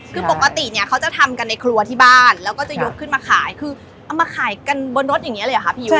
คือปกติเนี่ยเขาจะทำกันในครัวที่บ้านแล้วก็จะยกขึ้นมาขายคือเอามาขายกันบนรถอย่างนี้เลยเหรอคะพี่ยุ